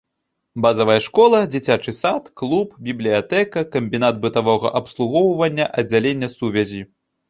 Базавая школа, дзіцячы сад, клуб, бібліятэка, камбінат бытавога абслугоўвання, аддзяленне сувязі.